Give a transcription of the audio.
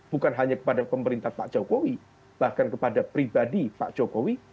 bukan hanya kepada pemerintah pak jokowi bahkan kepada pribadi pak jokowi